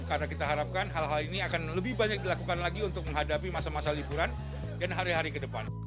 karena kita harapkan hal hal ini akan lebih banyak dilakukan lagi untuk menghadapi masa masa liburan dan hari hari ke depan